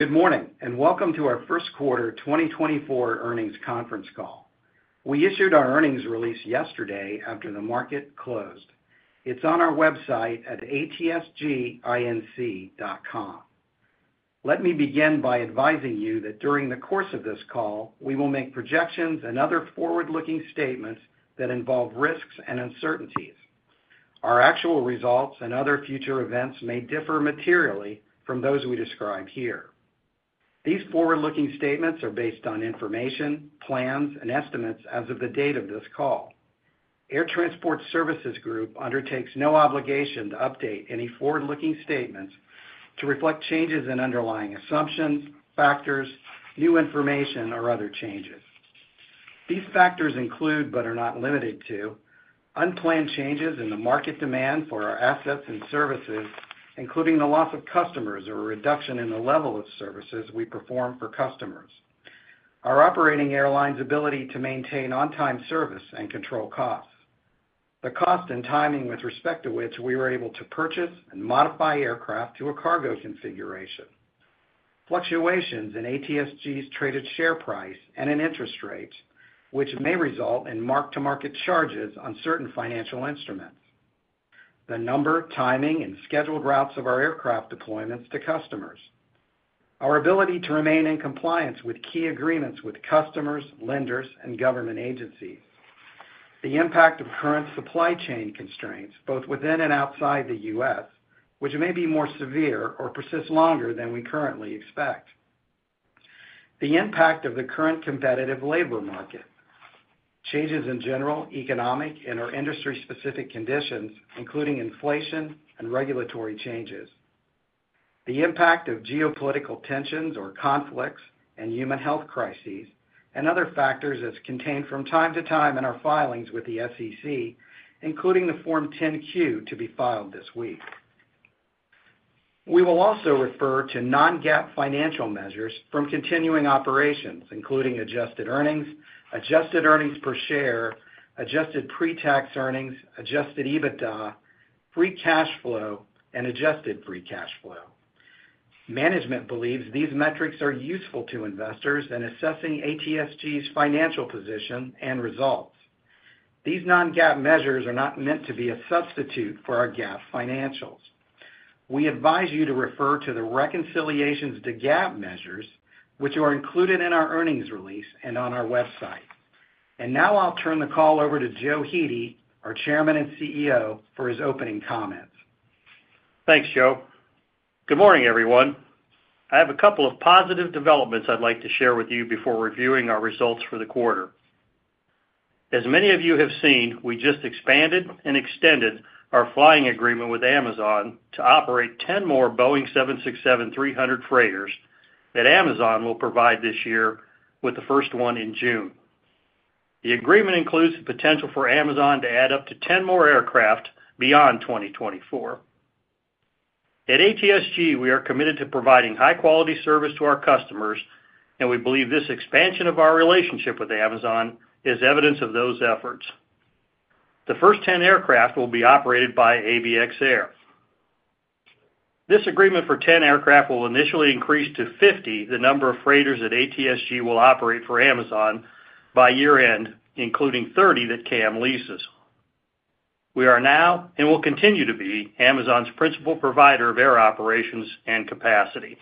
Good morning, and welcome to our first quarter 2024 earnings conference call. We issued our earnings release yesterday after the market closed. It's on our website at atsginc.com. Let me begin by advising you that during the course of this call, we will make projections and other forward-looking statements that involve risks and uncertainties. Our actual results and other future events may differ materially from those we describe here. These forward-looking statements are based on information, plans, and estimates as of the date of this call. Air Transport Services Group undertakes no obligation to update any forward-looking statements to reflect changes in underlying assumptions, factors, new information, or other changes. These factors include, but are not limited to, unplanned changes in the market demand for our assets and services, including the loss of customers or a reduction in the level of services we perform for customers, our operating airline's ability to maintain on-time service and control costs, the cost and timing with respect to which we were able to purchase and modify aircraft to a cargo configuration, fluctuations in ATSG's traded share price and in interest rates, which may result in mark-to-market charges on certain financial instruments, the number, timing, and scheduled routes of our aircraft deployments to customers, our ability to remain in compliance with key agreements with customers, lenders, and government agencies, the impact of current supply chain constraints, both within and outside the U.S. which may be more severe or persist longer than we currently expect, the impact of the current competitive labor market, changes in general, economic, and/or industry-specific conditions, including inflation and regulatory changes, the impact of geopolitical tensions or conflicts and human health crises, and other factors as contained from time to time in our filings with the SEC, including the Form 10-Q to be filed this week. We will also refer to non-GAAP financial measures from continuing operations, including adjusted earnings, adjusted earnings per share, adjusted pre-tax earnings, adjusted EBITDA, free cash flow, and adjusted free cash flow. Management believes these metrics are useful to investors in assessing ATSG's financial position and results. These non-GAAP measures are not meant to be a substitute for our GAAP financials. We advise you to refer to the reconciliations to GAAP measures, which are included in our earnings release and on our website. Now I'll turn the call over to Joe Hete, our Chairman and CEO, for his opening comments. Thanks, Joe. Good morning, everyone. I have a couple of positive developments I'd like to share with you before reviewing our results for the quarter. As many of you have seen, we just expanded and extended our flying agreement with Amazon to operate 10 more Boeing 767-300 freighters that Amazon will provide this year, with the first one in June. The agreement includes the potential for Amazon to add up to 10 more aircraft beyond 2024. At ATSG, we are committed to providing high-quality service to our customers, and we believe this expansion of our relationship with Amazon is evidence of those efforts. The first 10 aircraft will be operated by ABX Air. This agreement for 10 aircraft will initially increase to 50 the number of freighters that ATSG will operate for Amazon by year-end, including 30 that CAM leases. We are now, and will continue to be, Amazon's principal provider of air operations and capacity.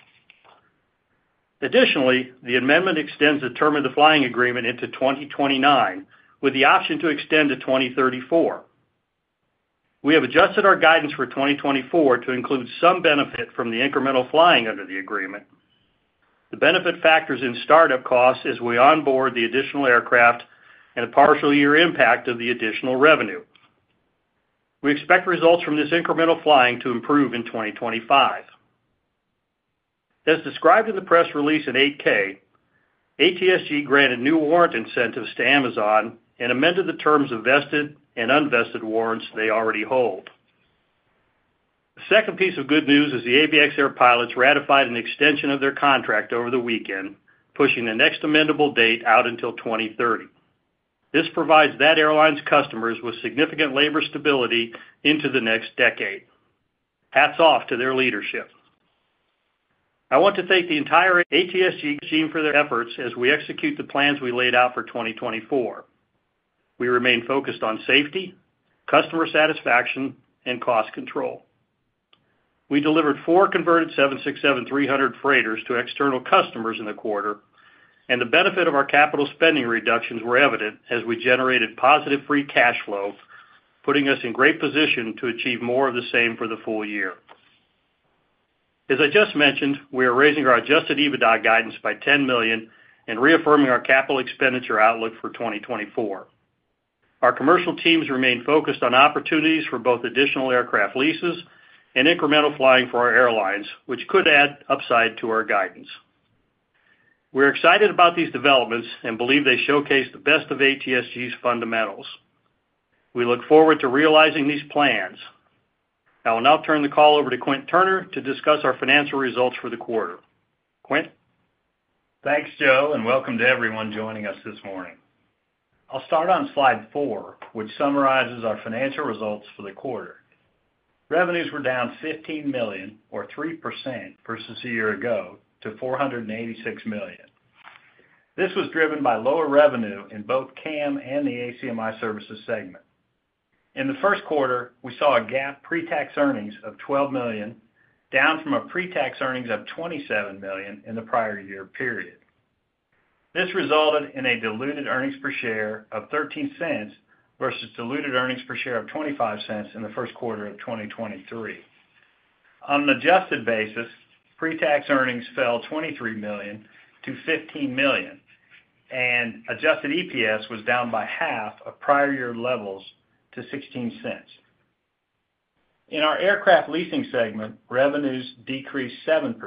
Additionally, the amendment extends the term of the flying agreement into 2029, with the option to extend to 2034. We have adjusted our guidance for 2024 to include some benefit from the incremental flying under the agreement. The benefit factors in startup costs as we onboard the additional aircraft and a partial year impact of the additional revenue. We expect results from this incremental flying to improve in 2025. As described in the press release in 8-K, ATSG granted new warrant incentives to Amazon and amended the terms of vested and unvested warrants they already hold. The second piece of good news is the ABX Air pilots ratified an extension of their contract over the weekend, pushing the next amendable date out until 2030. This provides that airline's customers with significant labor stability into the next decade. Hats off to their leadership. I want to thank the entire ATSG team for their efforts as we execute the plans we laid out for 2024. We remain focused on safety, customer satisfaction, and cost control. We delivered 4 converted 767-300 freighters to external customers in the quarter, and the benefit of our capital spending reductions were evident as we generated positive free cash flow, putting us in great position to achieve more of the same for the full year. As I just mentioned, we are raising our Adjusted EBITDA guidance by $10 million and reaffirming our capital expenditure outlook for 2024. Our commercial teams remain focused on opportunities for both additional aircraft leases and incremental flying for our airlines, which could add upside to our guidance. We're excited about these developments and believe they showcase the best of ATSG's fundamentals. We look forward to realizing these plans. I will now turn the call over to Quint Turner to discuss our financial results for the quarter. Quint?... Thanks, Joe, and welcome to everyone joining us this morning. I'll start on slide 4, which summarizes our financial results for the quarter. Revenues were down $15 million, or 3% versus a year ago, to $486 million. This was driven by lower revenue in both CAM and the ACMI Services segment. In the first quarter, we saw a GAAP pre-tax earnings of $12 million, down from a pre-tax earnings of $27 million in the prior year period. This resulted in a diluted earnings per share of $0.13 versus diluted earnings per share of $0.25 in the first quarter of 2023. On an adjusted basis, pre-tax earnings fell $23 million to $15 million, and adjusted EPS was down by half of prior year levels to $0.16. In our aircraft leasing segment, revenues decreased 7%.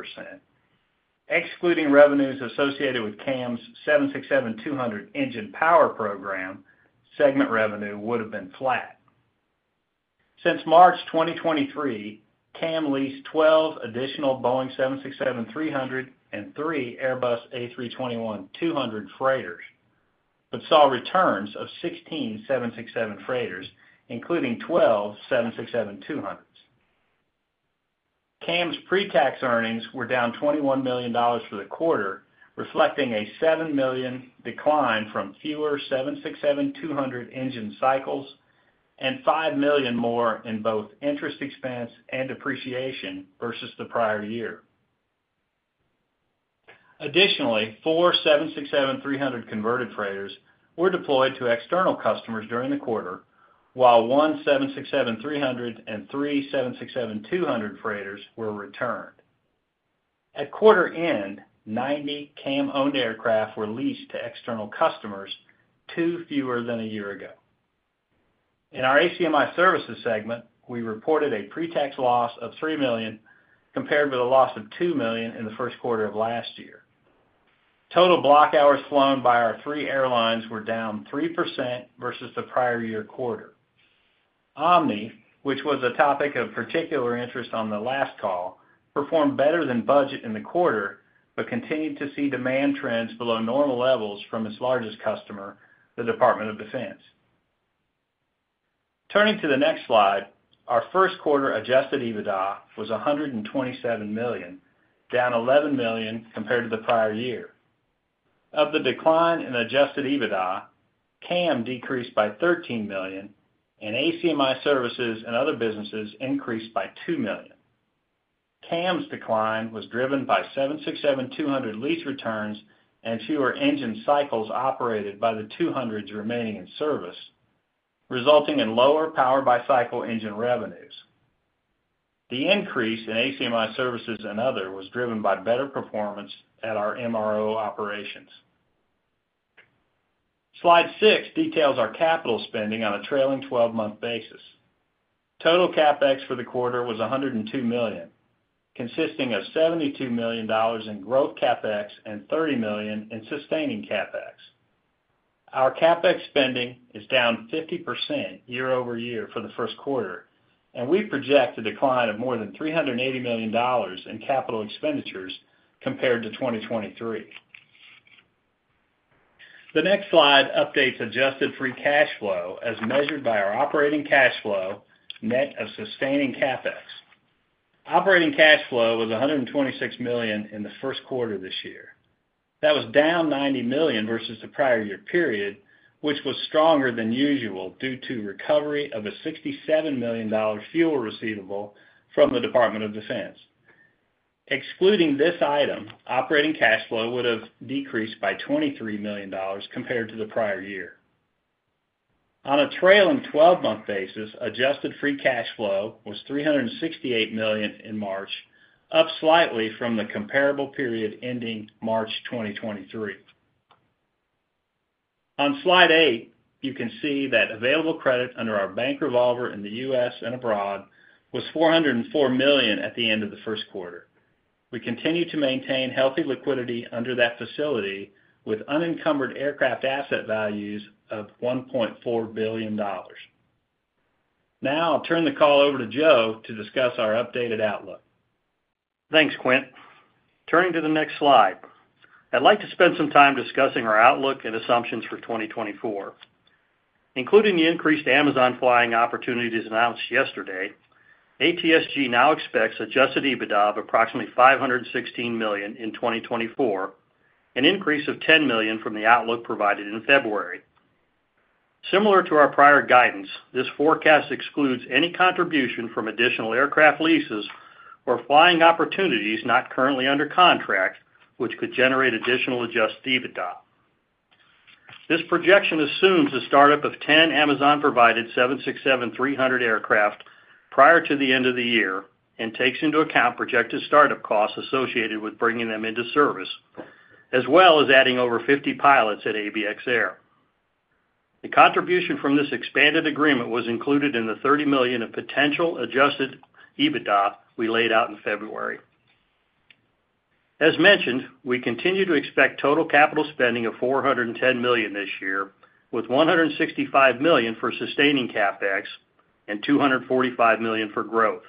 Excluding revenues associated with CAM's 767-200 engine power program, segment revenue would have been flat. Since March 2023, CAM leased 12 additional Boeing 767-300 and three Airbus A321-200 freighters, but saw returns of 16 767 freighters, including twelve 767-200s. CAM's pre-tax earnings were down $21 million for the quarter, reflecting a $7 million decline from fewer 767-200 engine cycles and $5 million more in both interest expense and depreciation versus the prior year. Additionally, four 767-300 converted freighters were deployed to external customers during the quarter, while one 767-300 and three 767-200 freighters were returned. At quarter end, 90 CAM-owned aircraft were leased to external customers, 2 fewer than a year ago. In our ACMI Services segment, we reported a pre-tax loss of $3 million, compared with a loss of $2 million in the first quarter of last year. Total block hours flown by our three airlines were down 3% versus the prior year quarter. Omni, which was a topic of particular interest on the last call, performed better than budget in the quarter, but continued to see demand trends below normal levels from its largest customer, the Department of Defense. Turning to the next slide, our first quarter adjusted EBITDA was $127 million, down $11 million compared to the prior year. Of the decline in adjusted EBITDA, CAM decreased by $13 million, and ACMI Services and other businesses increased by $2 million. CAM's decline was driven by 767-200 lease returns and fewer engine cycles operated by the 200s remaining in service, resulting in lower power-by-cycle engine revenues. The increase in ACMI Services and other was driven by better performance at our MRO operations. Slide 6 details our capital spending on a trailing twelve-month basis. Total CapEx for the quarter was $102 million, consisting of $72 million in growth CapEx and $30 million in sustaining CapEx. Our CapEx spending is down 50% year-over-year for the first quarter, and we project a decline of more than $380 million in capital expenditures compared to 2023. The next slide updates adjusted free cash flow as measured by our operating cash flow, net of sustaining CapEx. Operating cash flow was $126 million in the first quarter this year. That was down $90 million versus the prior year period, which was stronger than usual due to recovery of a $67 million fuel receivable from the Department of Defense. Excluding this item, operating cash flow would have decreased by $23 million compared to the prior year. On a trailing 12-month basis, adjusted free cash flow was $368 million in March, up slightly from the comparable period ending March 2023. On Slide 8, you can see that available credit under our bank revolver in the U.S. and abroad was $404 million at the end of the first quarter. We continue to maintain healthy liquidity under that facility, with unencumbered aircraft asset values of $1.4 billion. Now, I'll turn the call over to Joe to discuss our updated outlook. Thanks, Quint. Turning to the next slide. I'd like to spend some time discussing our outlook and assumptions for 2024. Including the increased Amazon flying opportunities announced yesterday, ATSG now expects adjusted EBITDA of approximately $516 million in 2024, an increase of $10 million from the outlook provided in February. Similar to our prior guidance, this forecast excludes any contribution from additional aircraft leases or flying opportunities not currently under contract, which could generate additional adjusted EBITDA. This projection assumes a startup of 10 Amazon-provided 767-300 aircraft prior to the end of the year and takes into account projected startup costs associated with bringing them into service, as well as adding over 50 pilots at ABX Air. The contribution from this expanded agreement was included in the $30 million of potential adjusted EBITDA we laid out in February. As mentioned, we continue to expect total capital spending of $410 million this year, with $165 million for sustaining CapEx and $245 million for growth.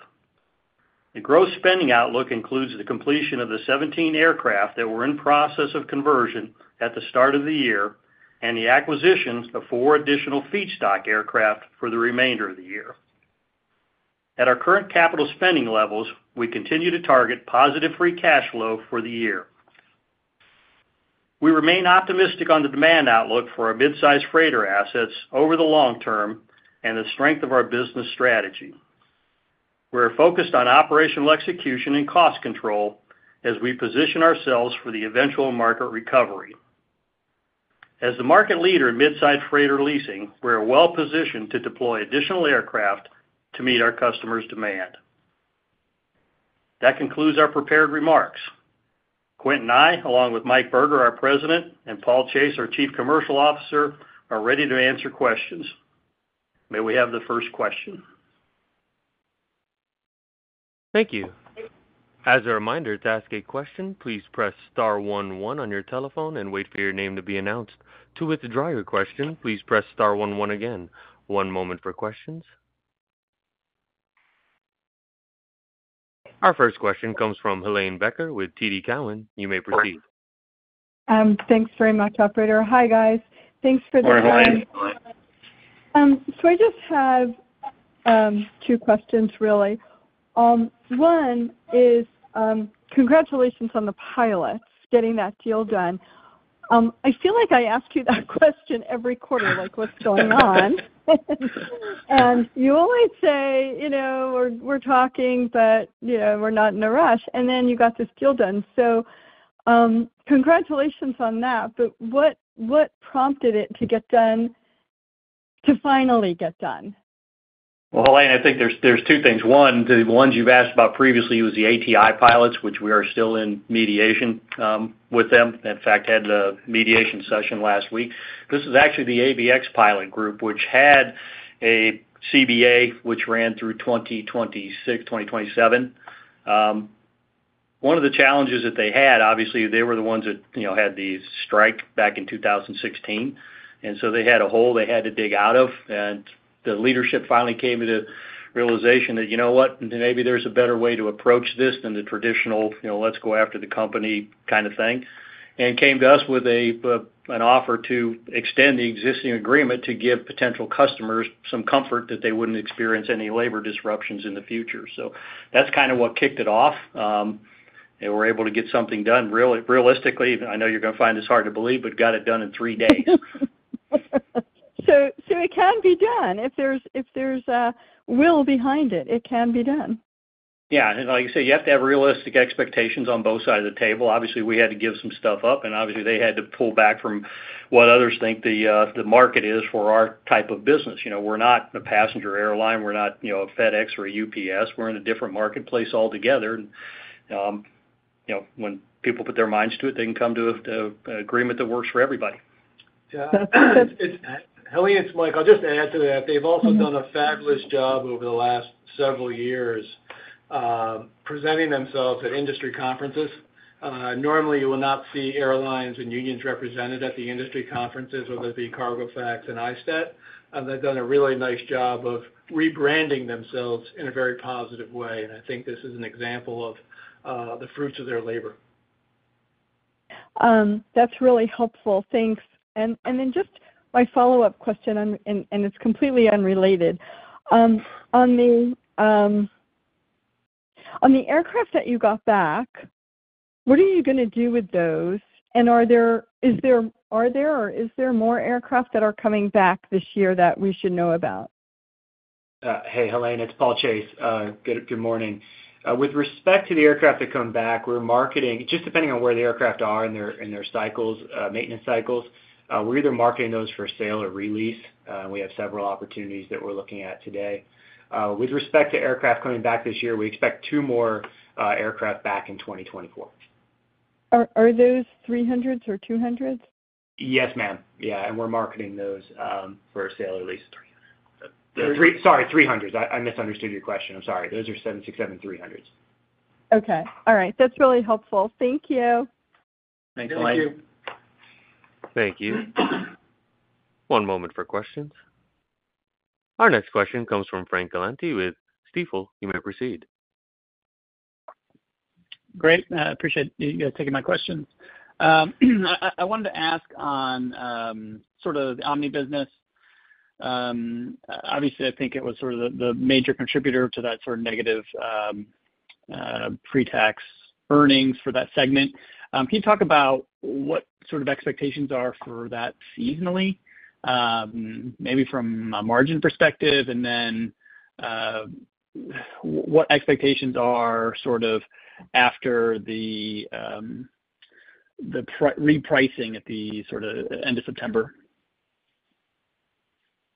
The gross spending outlook includes the completion of the 17 aircraft that were in process of conversion at the start of the year and the acquisitions of 4 additional feedstock aircraft for the remainder of the year. At our current capital spending levels, we continue to target positive free cash flow for the year. We remain optimistic on the demand outlook for our midsize freighter assets over the long term and the strength of our business strategy. We are focused on operational execution and cost control as we position ourselves for the eventual market recovery. As the market leader in midsize freighter leasing, we are well-positioned to deploy additional aircraft to meet our customers' demand. That concludes our prepared remarks. Quint and I, along with Mike Berger, our President, and Paul Chase, our Chief Commercial Officer, are ready to answer questions. May we have the first question? Thank you. As a reminder, to ask a question, please press star one one on your telephone and wait for your name to be announced. To withdraw your question, please press star one one again. One moment for questions. Our first question comes from Helane Becker with TD Cowen. You may proceed. Thanks very much, operator. Hi, guys. Thanks for the- Good morning, Helane. So I just have two questions, really. One is, congratulations on the pilots getting that deal done. I feel like I ask you that question every quarter, like, what's going on? And you always say, you know, "We're, we're talking, but, you know, we're not in a rush," and then you got this deal done. So, congratulations on that, but what, what prompted it to get done, to finally get done? Well, Helane, I think there's two things. One, the ones you've asked about previously was the ATI pilots, which we are still in mediation with them. In fact, had the mediation session last week. This is actually the ABX pilot group, which had a CBA, which ran through 2026, 2027. One of the challenges that they had, obviously, they were the ones that, you know, had the strike back in 2016, and so they had a hole they had to dig out of, and the leadership finally came to the realization that, you know what? Maybe there's a better way to approach this than the traditional, you know, let's go after the company kind of thing. And came to us with a, an offer to extend the existing agreement to give potential customers some comfort that they wouldn't experience any labor disruptions in the future. So that's kind of what kicked it off, and we're able to get something done really realistically. I know you're going to find this hard to believe, but got it done in three days. So it can be done. If there's a will behind it, it can be done. Yeah, and like you say, you have to have realistic expectations on both sides of the table. Obviously, we had to give some stuff up, and obviously, they had to pull back from what others think the market is for our type of business. You know, we're not a passenger airline. We're not, you know, a FedEx or a UPS. We're in a different marketplace altogether. And, you know, when people put their minds to it, they can come to an agreement that works for everybody. Yeah. It's Helane, it's Mike. I'll just add to that. They've also done a fabulous job over the last several years presenting themselves at industry conferences. Normally, you will not see airlines and unions represented at the industry conferences, whether it be Cargo Facts and ISTAT, and they've done a really nice job of rebranding themselves in a very positive way. And I think this is an example of the fruits of their labor. That's really helpful. Thanks. And then just my follow-up question, and it's completely unrelated. On the aircraft that you got back, what are you going to do with those? And are there or is there more aircraft that are coming back this year that we should know about? Hey, Helane, it's Paul Chase. Good, good morning. With respect to the aircraft that come back, we're marketing, just depending on where the aircraft are in their, in their cycles, maintenance cycles, we're either marketing those for sale or re-lease. We have several opportunities that we're looking at today. With respect to aircraft coming back this year, we expect two more, aircraft back in 2024. Are those 300s or 200s? Yes, ma'am. Yeah, and we're marketing those for a sale or lease. Three hundreds. Sorry, 300s. I misunderstood your question. I'm sorry. Those are 767-300s. Okay. All right. That's really helpful. Thank you. Thanks, Helane. Thank you. Thank you. One moment for questions. Our next question comes from Frank Galanti with Stifel. You may proceed. Great. I appreciate you guys taking my questions. I wanted to ask on sort of the Omni business. Obviously, I think it was sort of the major contributor to that sort of negative pre-tax earnings for that segment. Can you talk about what sort of expectations are for that seasonally, maybe from a margin perspective? And then, what expectations are sort of after the repricing at the sort of end of September?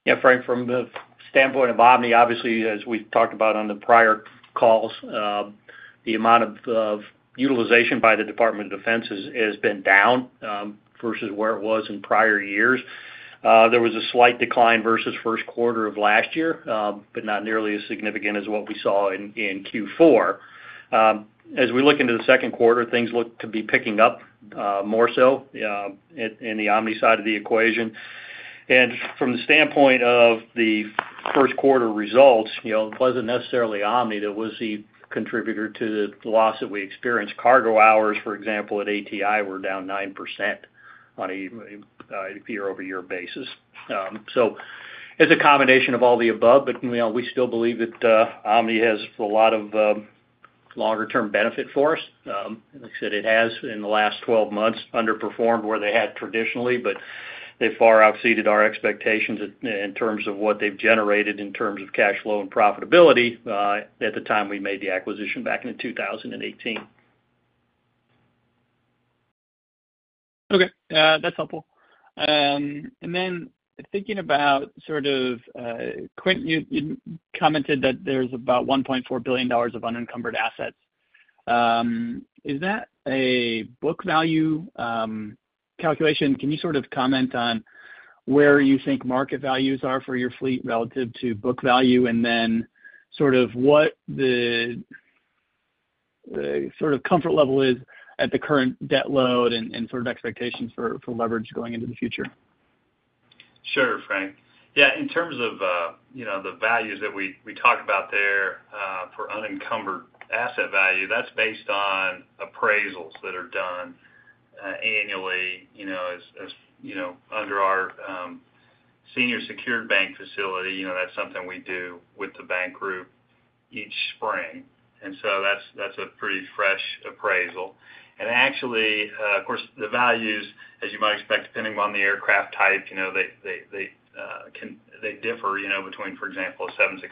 Yeah, Frank, from the standpoint of Omni, obviously, as we've talked about on the prior calls, the amount of utilization by the Department of Defense has been down versus where it was in prior years. There was a slight decline versus first quarter of last year, but not nearly as significant as what we saw in Q4. As we look into the second quarter, things look to be picking up more so in the Omni side of the equation.... From the standpoint of the first quarter results, you know, it wasn't necessarily Omni that was the contributor to the loss that we experienced. Cargo hours, for example, at ATI were down 9% on a year-over-year basis. So it's a combination of all the above, but, you know, we still believe that Omni has a lot of longer-term benefit for us. Like I said, it has, in the last twelve months, underperformed where they had traditionally, but they far exceeded our expectations in terms of what they've generated in terms of cash flow and profitability at the time we made the acquisition back in 2018. Okay. That's helpful. And then thinking about sort of, Quint, you commented that there's about $1.4 billion of unencumbered assets. Is that a book value calculation? Can you sort of comment on where you think market values are for your fleet relative to book value, and then sort of what the sort of comfort level is at the current debt load and sort of expectations for leverage going into the future? Sure, Frank. Yeah, in terms of, you know, the values that we talked about there, for unencumbered asset value, that's based on appraisals that are done annually, you know, as you know, under our senior secured bank facility. You know, that's something we do with the bank group each spring. So that's a pretty fresh appraisal. And actually, of course, the values, as you might expect, depending upon the aircraft type, you know, they differ, you know, between, for example, a 767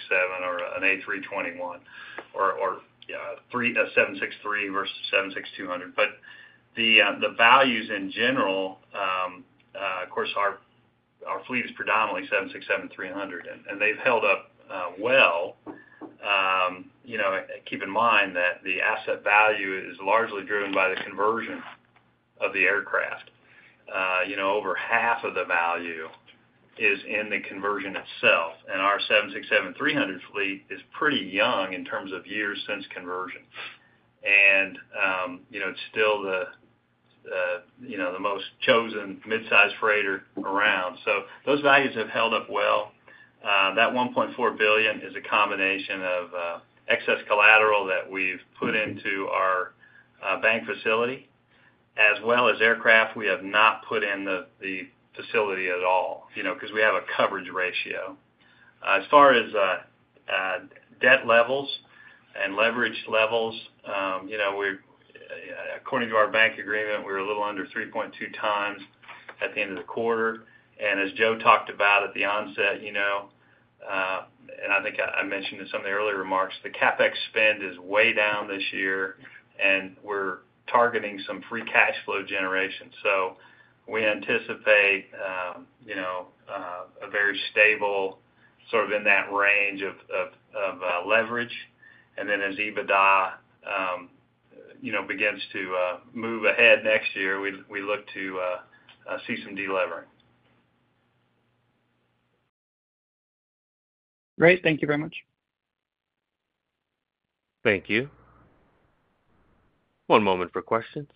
or an A321 or a 767-300 versus 767-200. But the values in general, of course, our fleet is predominantly 767-300, and they've held up well. You know, keep in mind that the asset value is largely driven by the conversion of the aircraft. You know, over half of the value is in the conversion itself, and our 767-300 fleet is pretty young in terms of years since conversion. You know, it's still the, you know, the most chosen mid-sized freighter around. So those values have held up well. That $1.4 billion is a combination of excess collateral that we've put into our bank facility, as well as aircraft we have not put in the facility at all, you know, because we have a coverage ratio. As far as debt levels and leverage levels, you know, we, according to our bank agreement, we're a little under 3.2x at the end of the quarter. And as Joe talked about at the onset, you know, and I think I mentioned in some of the earlier remarks, the CapEx spend is way down this year, and we're targeting some free cash flow generation. So we anticipate, you know, a very stable, sort of in that range of, uh, leverage. And then as EBITDA, you know, begins to move ahead next year, we look to see some delevering. Great. Thank you very much. Thank you. One moment for questions.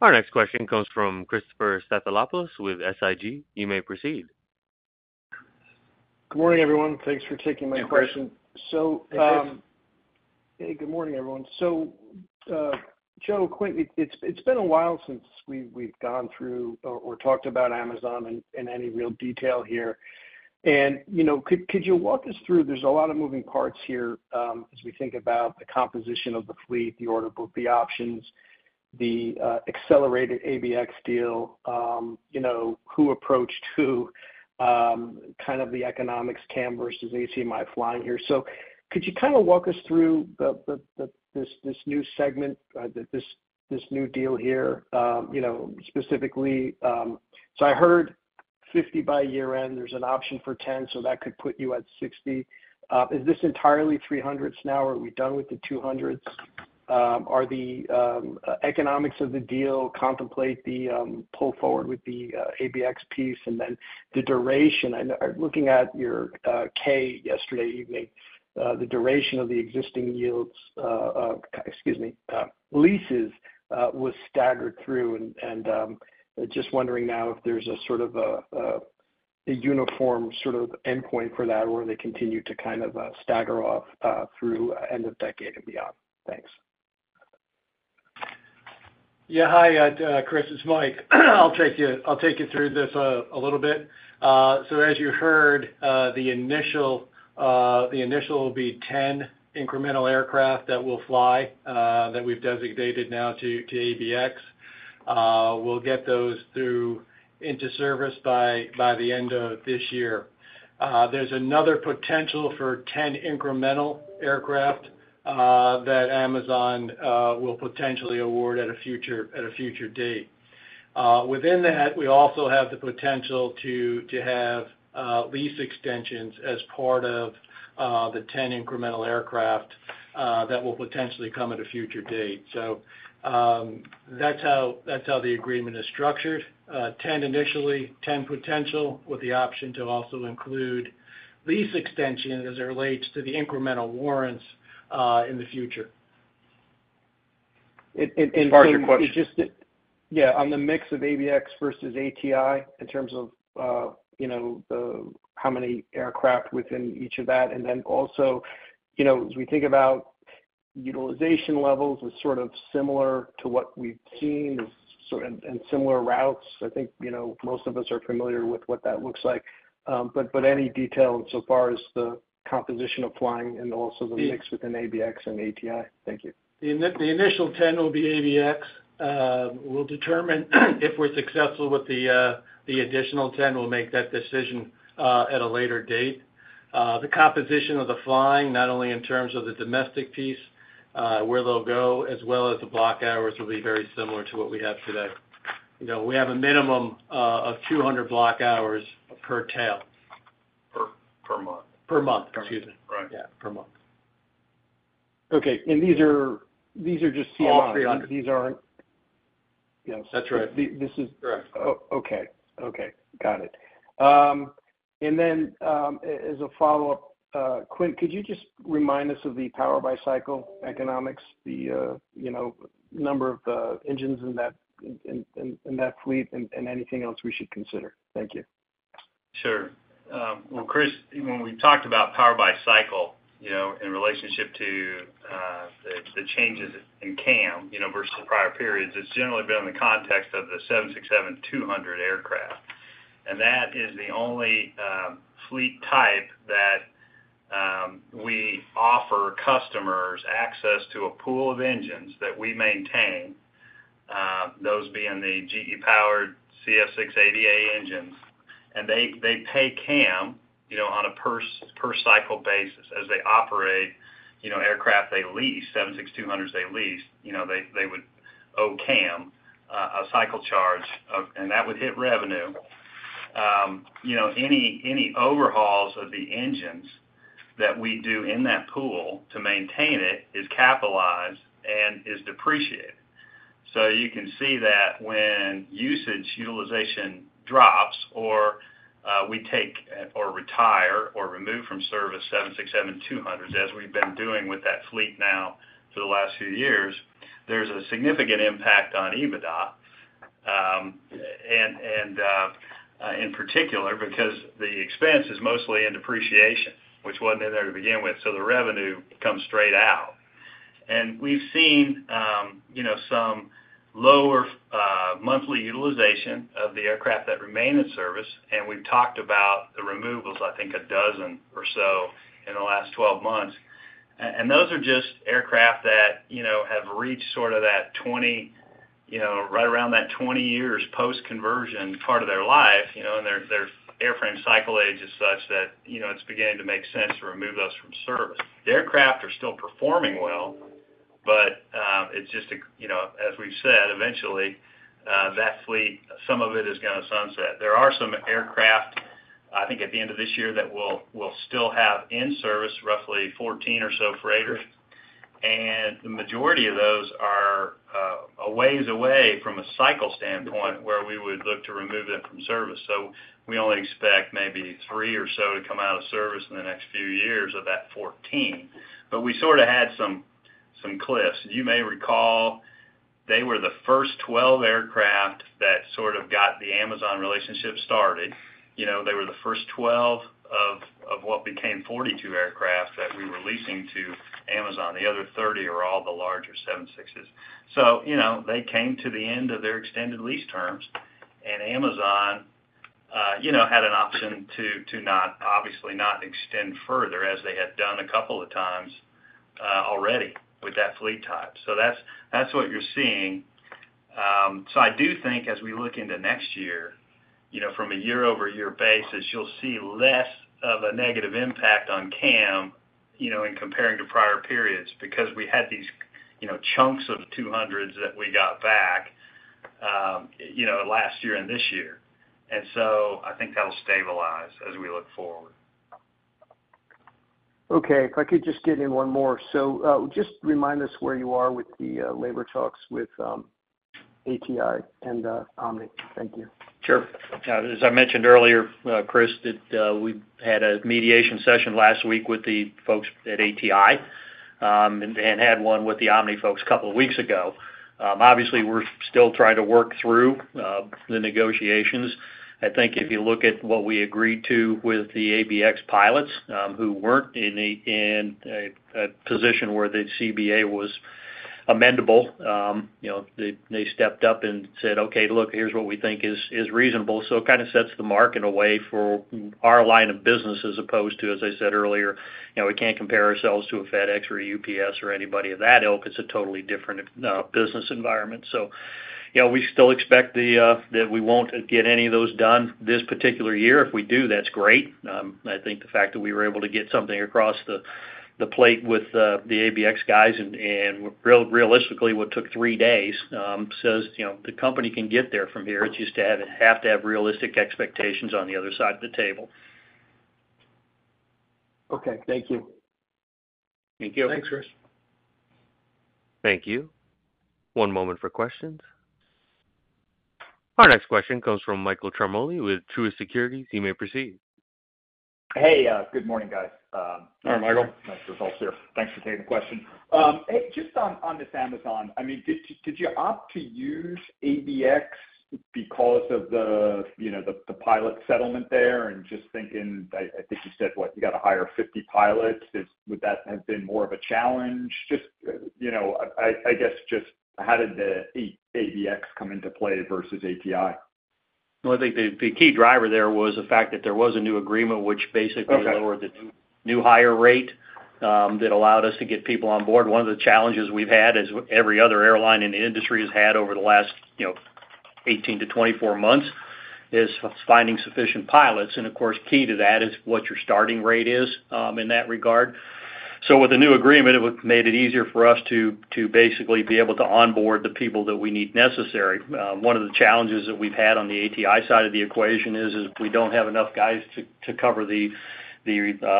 Our next question comes from Christopher Stathopoulos with SIG. You may proceed. Good morning, everyone. Thanks for taking my question. Hey, Chris. Hey, good morning, everyone. Joe, Quint, it's been a while since we've gone through or talked about Amazon in any real detail here. You know, could you walk us through, there's a lot of moving parts here, as we think about the composition of the fleet, the order book, the options, the accelerated ABX deal, you know, who approached who, kind of the economics, CAM versus ACMI flying here. Could you kind of walk us through this new segment, this new deal here, you know, specifically? I heard 50 by year end, there's an option for 10, so that could put you at 60. Is this entirely 300s now? Are we done with the 200s? Are the economics of the deal contemplate the pull forward with the ABX piece? And then the duration, I know—looking at your 8-K yesterday evening, the duration of the existing yields, excuse me, leases, was staggered through. And just wondering now if there's a sort of uniform sort of endpoint for that, or where they continue to kind of stagger off through end of decade and beyond? Thanks. Yeah, hi, Chris, it's Mike. I'll take you through this a little bit. So as you heard, the initial will be 10 incremental aircraft that will fly that we've designated now to ABX. We'll get those through into service by the end of this year. There's another potential for 10 incremental aircraft that Amazon will potentially award at a future date. Within that, we also have the potential to have lease extensions as part of the 10 incremental aircraft that will potentially come at a future date. So, that's how the agreement is structured. 10 initially, 10 potential, with the option to also include lease extension as it relates to the incremental aircraft in the future. And so it just, yeah, on the mix of ABX versus ATI, in terms of, you know, the how many aircraft within each of that, and then also, you know, as we think about utilization levels is sort of similar to what we've seen, sort of, and similar routes. I think, you know, most of us are familiar with what that looks like. But any detail so far as the composition of flying and also the mix within ABX and ATI? Thank you. The initial ten will be ABX. We'll determine if we're successful with the additional ten, we'll make that decision at a later date. The composition of the flying, not only in terms of the domestic piece, where they'll go, as well as the block hours, will be very similar to what we have today. You know, we have a minimum of 200 block hours per tail. Per month. Per month, excuse me. Right. Yeah, per month. Okay. And these are just- All 300. These aren't... That's right. This is- Correct. Oh, okay. Okay. Got it. And then, as a follow-up, Quint, could you just remind us of the power by cycle economics, the, you know, number of engines in that fleet, and anything else we should consider? Thank you. Sure. Well, Chris, when we talked about power by cycle, you know, in relationship to the changes in CAM, you know, versus the prior periods, it's generally been in the context of the 767-200 aircraft. And that is the only fleet type that we offer customers access to a pool of engines that we maintain, those being the GE-powered CF6-80A engines, and they pay CAM, you know, on a per-cycle basis. As they operate aircraft they lease, 767-200s, they lease, they would owe CAM a cycle charge, and that would hit revenue. Any overhauls of the engines that we do in that pool to maintain it is capitalized and is depreciated. So you can see that when usage, utilization drops, or we take or retire, or remove from service 767-200s, as we've been doing with that fleet now for the last few years, there's a significant impact on EBITDA. And in particular, because the expense is mostly in depreciation, which wasn't in there to begin with, so the revenue comes straight out. And we've seen, you know, some lower monthly utilization of the aircraft that remain in service, and we've talked about the removals, I think, a dozen or so in the last 12 months. Those are just aircraft that, you know, have reached sort of that 20, you know, right around that 20 years post-conversion part of their life, you know, and their airframe cycle age is such that, you know, it's beginning to make sense to remove those from service. The aircraft are still performing well, but it's just, you know, as we've said, eventually that fleet, some of it is gonna sunset. There are some aircraft, I think at the end of this year, that we'll still have in service, roughly 14 or so freighters. The majority of those are a ways away from a cycle standpoint, where we would look to remove them from service. So we only expect maybe 3 or so to come out of service in the next few years of that 14. But we sort of had some cliffs. You may recall, they were the first 12 aircraft that sort of got the Amazon relationship started. You know, they were the first 12 of what became 42 aircraft that we were leasing to Amazon. The other 30 are all the larger 767s. So, you know, they came to the end of their extended lease terms, and Amazon had an option to not, obviously not extend further, as they had done a couple of times already with that fleet type. So that's what you're seeing. So I do think as we look into next year, you know, from a year-over-year basis, you'll see less of a negative impact on CAM, you know, in comparing to prior periods, because we had these, you know, chunks of the two hundreds that we got back, you know, last year and this year. And so I think that'll stabilize as we look forward. Okay. If I could just get in one more. So, just remind us where you are with the labor talks with ATI and Omni. Thank you. Sure. As I mentioned earlier, Chris, that we had a mediation session last week with the folks at ATI, and had one with the Omni folks a couple of weeks ago. Obviously, we're still trying to work through the negotiations. I think if you look at what we agreed to with the ABX pilots, who weren't in a position where the CBA was amendable, you know, they stepped up and said, "Okay, look, here's what we think is reasonable." So it kind of sets the market rate for our line of business, as opposed to, as I said earlier, you know, we can't compare ourselves to a FedEx or a UPS or anybody of that ilk. It's a totally different business environment. So, you know, we still expect that we won't get any of those done this particular year. If we do, that's great. I think the fact that we were able to get something across the plate with the ABX guys, and realistically, what took three days, says, you know, the company can get there from here. It's just have to have realistic expectations on the other side of the table. Okay, thank you. Thank you. Thanks, Chris. Thank you. One moment for questions. Our next question comes from Michael Ciarmoli with Truist Securities. You may proceed. Hey, good morning, guys. Hi, Michael. Nice results here. Thanks for taking the question. Hey, just on, on this Amazon, I mean, did you, did you opt to use ABX because of the, you know, the, the pilot settlement there? And just thinking, I, I think you said, what? You got to hire 50 pilots. Is- would that have been more of a challenge? Just, you know, I, I guess just how did the A- ABX come into play versus ATI? Well, I think the key driver there was the fact that there was a new agreement, which basically- Okay... lowered the new hire rate, that allowed us to get people on board. One of the challenges we've had is, every other airline in the industry has had over the last, you know, 18-24 months, is finding sufficient pilots. And of course, key to that is what your starting rate is, in that regard. So with the new agreement, it made it easier for us to basically be able to onboard the people that we need necessary. One of the challenges that we've had on the ATI side of the equation is we don't have enough guys to cover the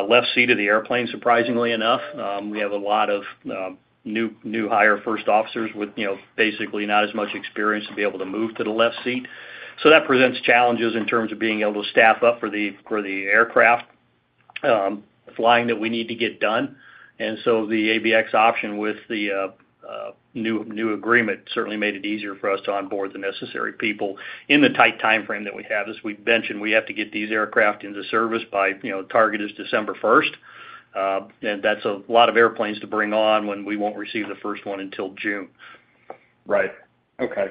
left seat of the airplane, surprisingly enough. We have a lot of new hire first officers with, you know, basically not as much experience to be able to move to the left seat. So that presents challenges in terms of being able to staff up for the aircraft flying that we need to get done. And so the ABX option with the new agreement certainly made it easier for us to onboard the necessary people in the tight timeframe that we have. As we've mentioned, we have to get these aircraft into service by, you know, target is December first. And that's a lot of airplanes to bring on when we won't receive the first one until June. Right. Okay.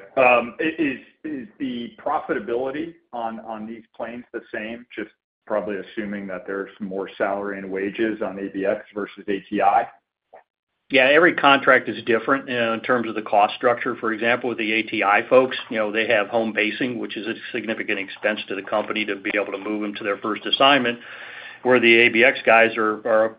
Is the profitability on these planes the same? Just probably assuming that there's more salary and wages on ABX versus ATI. Yeah, every contract is different in terms of the cost structure. For example, with the ATI folks, you know, they have home basing, which is a significant expense to the company to be able to move them to their first assignment, where the ABX guys are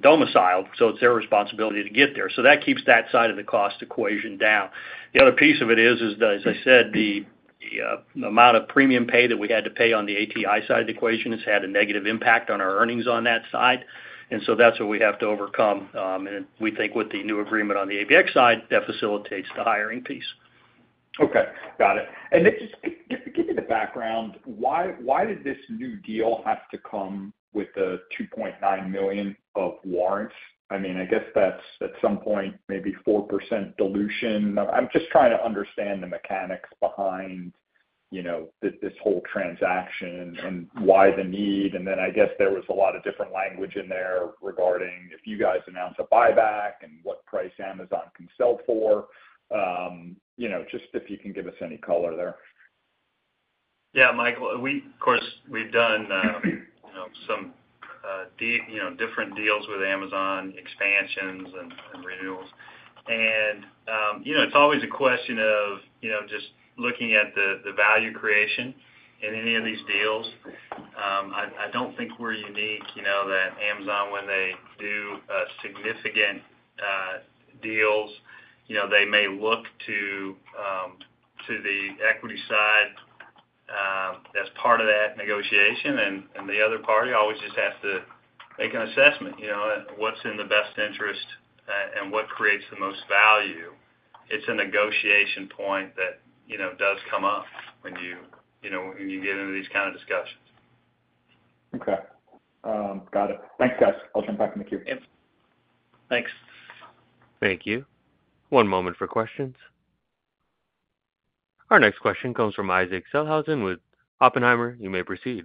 domiciled, so it's their responsibility to get there. So that keeps that side of the cost equation down. The other piece of it is that, as I said, the amount of premium pay that we had to pay on the ATI side of the equation has had a negative impact on our earnings on that side, and so that's what we have to overcome. And we think with the new agreement on the ABX side, that facilitates the hiring piece. Okay, got it. And just give me the background. Why, why did this new deal have to come with the 2.9 million of warrants? I mean, I guess that's at some point, maybe 4% dilution. I'm just trying to understand the mechanics behind, you know, this whole transaction and why the need. And then I guess there was a lot of different language in there regarding if you guys announce a buyback and what price Amazon can sell for, you know, just if you can give us any color there. Yeah, Michael, we -- of course, we've done, you know, some, you know, different deals with Amazon expansions and, and renewals. And, you know, it's always a question of, you know, just looking at the, the value creation in any of these deals. I, I don't think we're unique, you know, that Amazon, when they do, significant, deals, you know, they may look to, to the equity side, as part of that negotiation, and, and the other party always just has to make an assessment, you know, what's in the best interest, and what creates the most value. It's a negotiation point that, you know, does come up when you, you know, when you get into these kind of discussions. Okay. Got it. Thanks, guys. I'll jump back in the queue. Yep. Thanks. Thank you. One moment for questions. Our next question comes from Isaac Sellhausen with Oppenheimer. You may proceed.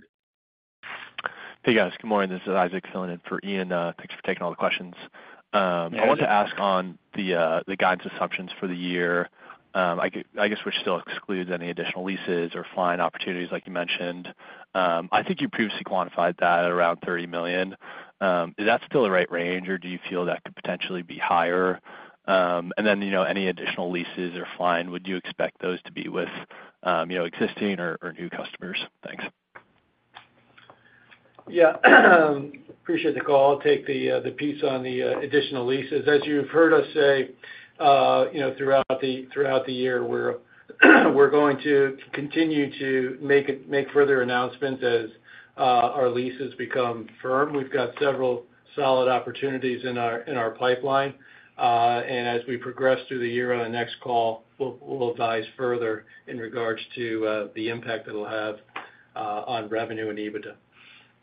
Hey, guys. Good morning. This is Isaac filling in for Ian. Thanks for taking all the questions. Yeah. I wanted to ask on the guidance assumptions for the year. I guess, which still excludes any additional leases or flying opportunities like you mentioned. I think you previously quantified that at around $30 million. Is that still the right range, or do you feel that could potentially be higher? And then, you know, any additional leases or flying, would you expect those to be with, you know, existing or new customers? Thanks. Yeah. Appreciate the call. I'll take the piece on the additional leases. As you've heard us say, you know, throughout the year, we're going to continue to make further announcements as our leases become firm. We've got several solid opportunities in our pipeline. And as we progress through the year on the next call, we'll advise further in regards to the impact it'll have on revenue and EBITDA.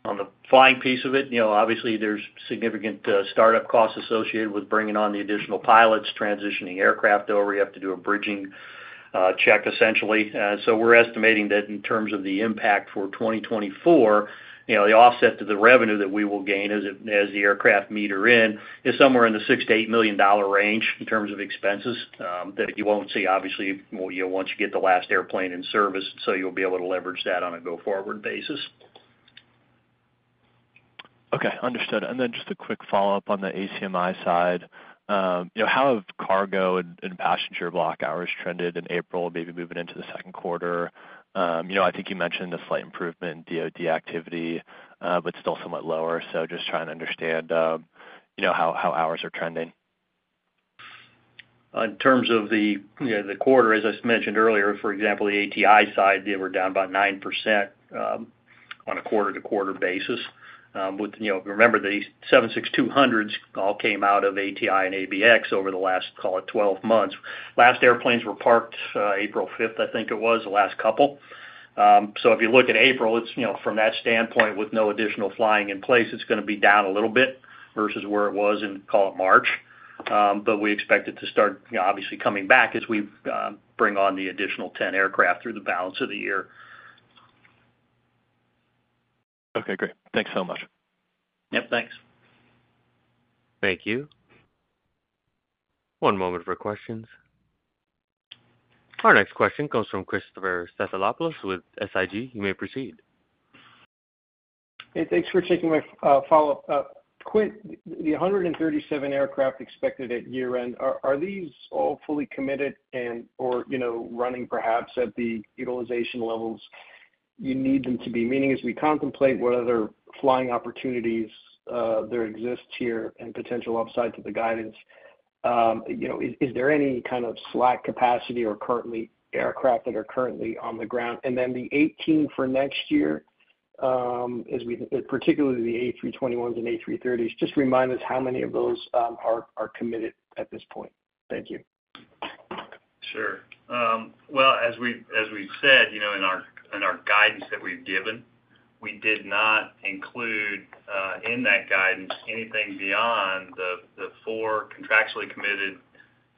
On the flying piece of it, you know, obviously there's significant startup costs associated with bringing on the additional pilots, transitioning aircraft over. We have to do a bridging check, essentially. So we're estimating that in terms of the impact for 2024, you know, the offset to the revenue that we will gain as the, as the aircraft meter in, is somewhere in the $6 million-$8 million range in terms of expenses, that you won't see, obviously, well, you know, once you get the last airplane in service, so you'll be able to leverage that on a go-forward basis. Okay, understood. And then just a quick follow-up on the ACMI side. You know, how have cargo and passenger block hours trended in April, maybe moving into the second quarter? You know, I think you mentioned a slight improvement in DoD activity, but still somewhat lower. So just trying to understand, you know, how hours are trending. In terms of the, you know, the quarter, as I mentioned earlier, for example, the ATI side, they were down about 9% on a quarter-to-quarter basis. With, you know, if you remember, these 767-200s all came out of ATI and ABX over the last, call it, 12 months. Last airplanes were parked April fifth, I think it was, the last couple. So if you look at April, it's, you know, from that standpoint, with no additional flying in place, it's gonna be down a little bit versus where it was in, call it, March. But we expect it to start, you know, obviously coming back as we bring on the additional 10 aircraft through the balance of the year. Okay, great. Thanks so much. Yep, thanks. Thank you. One moment for questions. Our next question comes from Christopher Stathopoulos with SIG. You may proceed. Hey, thanks for taking my follow-up. Quick, the 137 aircraft expected at year-end, are these all fully committed and, or, you know, running perhaps at the utilization levels you need them to be? Meaning, as we contemplate what other flying opportunities there exists here and potential upside to the guidance, you know, is there any kind of slack capacity or currently aircraft that are currently on the ground? And then the 18 for next year, as we particularly the A321s and A330s, just remind us how many of those are committed at this point. Thank you. Sure. Well, as we've said, you know, in our guidance that we've given, we did not include in that guidance anything beyond the four contractually committed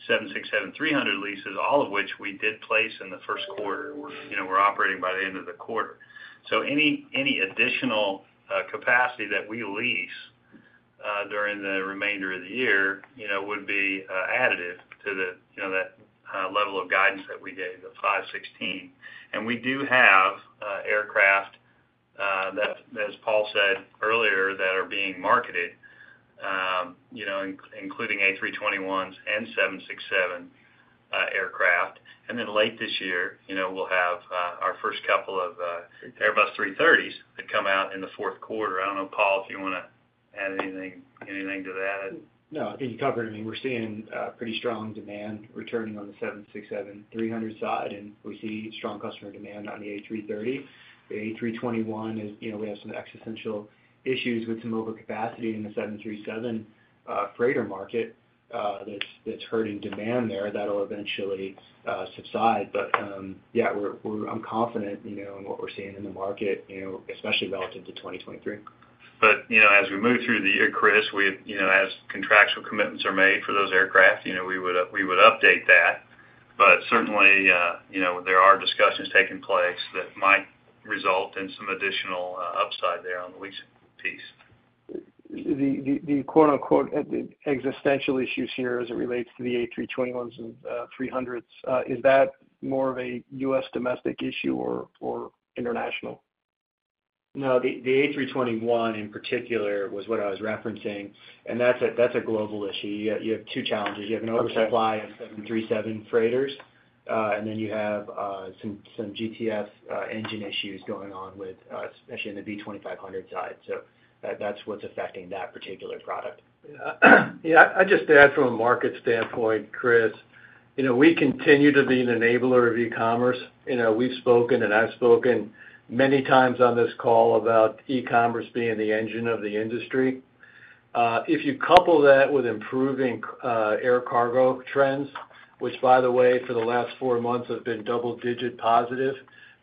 767-300 leases, all of which we did place in the first quarter. You know, we're operating by the end of the quarter. So any additional capacity that we lease during the remainder of the year, you know, would be additive to that level of guidance that we gave, the 516. And we do have aircraft that, as Paul said earlier, that are being marketed, you know, including A321s and 767 aircraft. And then late this year, you know, we'll have our first couple of Airbus 330s that come out in the fourth quarter. I don't know, Paul, if you wanna add anything, anything to that? No, I think you covered it. I mean, we're seeing pretty strong demand returning on the 767-300 side, and we see strong customer demand on the A330. The A321 is, you know, we have some existential issues with some overcapacity in the 737 freighter market, that's hurting demand there. That'll eventually subside, but yeah, we're... I'm confident, you know, in what we're seeing in the market, you know, especially relative to 2023. But, you know, as we move through the year, Chris, we, you know, as contractual commitments are made for those aircraft, you know, we would update that. But certainly, you know, there are discussions taking place that might result in some additional upside there on the lease piece. The quote-unquote existential issues here as it relates to the A321s and three hundreds is that more of a US domestic issue or international? No, the A321, in particular, was what I was referencing, and that's a global issue. You have two challenges. Okay. You have an oversupply of 737 freighters, and then you have some GTF engine issues going on, especially in the V2500 side. So that's what's affecting that particular product. Yeah, I'd just add from a market standpoint, Chris, you know, we continue to be an enabler of e-commerce. You know, we've spoken, and I've spoken many times on this call about e-commerce being the engine of the industry. If you couple that with improving air cargo trends, which, by the way, for the last four months have been double-digit positive,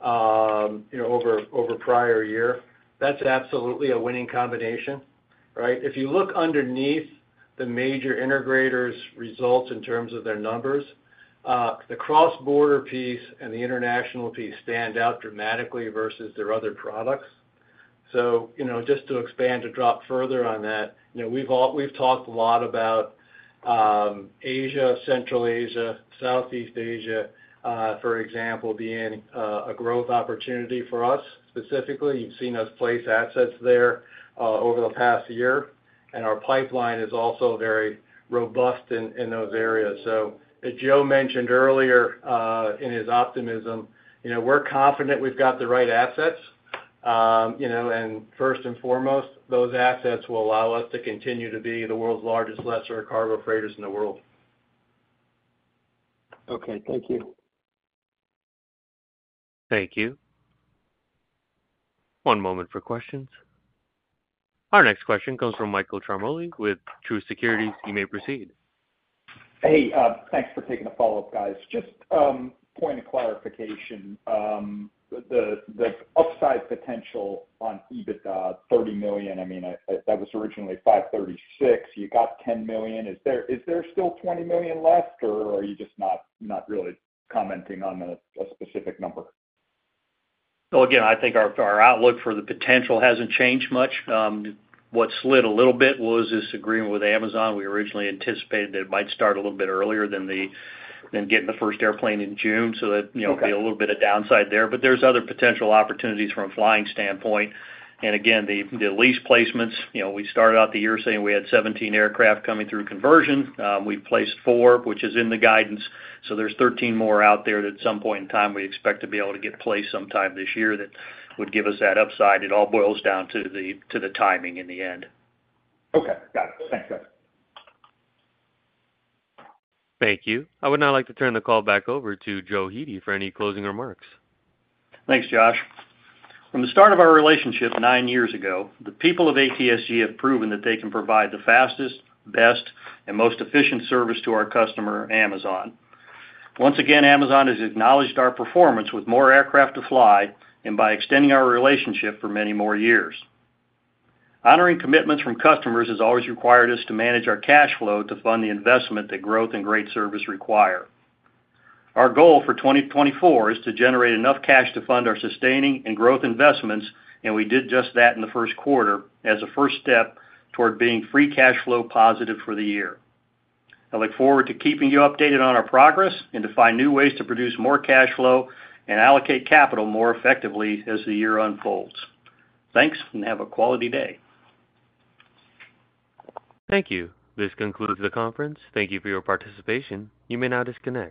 you know, over prior year, that's absolutely a winning combination, right? If you look underneath the major integrators' results in terms of their numbers, the cross-border piece and the international piece stand out dramatically versus their other products. So, you know, just to expand, to drop further on that, you know, we've all talked a lot about Asia, Central Asia, Southeast Asia, for example, being a growth opportunity for us. Specifically, you've seen us place assets there, over the past year, and our pipeline is also very robust in those areas. So as Joe mentioned earlier, in his optimism, you know, we're confident we've got the right assets. You know, and first and foremost, those assets will allow us to continue to be the world's largest lessor of cargo freighters in the world. Okay, thank you. Thank you. One moment for questions. Our next question comes from Michael Ciarmoli with Truist Securities. You may proceed. Hey, thanks for taking the follow-up, guys. Just a point of clarification. The upside potential on EBITDA, $30 million, I mean, that was originally $536 million. You got $10 million. Is there still $20 million left, or are you just not really commenting on a specific number? So again, I think our outlook for the potential hasn't changed much. What slid a little bit was this agreement with Amazon. We originally anticipated that it might start a little bit earlier than getting the first airplane in June, so that- Okay... you know, be a little bit of downside there. But there's other potential opportunities from a flying standpoint. And again, the lease placements, you know, we started out the year saying we had 17 aircraft coming through conversion. We've placed four, which is in the guidance, so there's 13 more out there that at some point in time, we expect to be able to get placed sometime this year that would give us that upside. It all boils down to the timing in the end. Okay, got it. Thanks, guys. Thank you. I would now like to turn the call back over to Joe Hete for any closing remarks. Thanks, Josh. From the start of our relationship 9 years ago, the people of ATSG have proven that they can provide the fastest, best, and most efficient service to our customer, Amazon. Once again, Amazon has acknowledged our performance with more aircraft to fly and by extending our relationship for many more years. Honoring commitments from customers has always required us to manage our cash flow to fund the investment that growth and great service require. Our goal for 2024 is to generate enough cash to fund our sustaining and growth investments, and we did just that in the first quarter as a first step toward being free cash flow positive for the year. I look forward to keeping you updated on our progress and to find new ways to produce more cash flow and allocate capital more effectively as the year unfolds. Thanks, and have a quality day. Thank you. This concludes the conference. Thank you for your participation. You may now disconnect.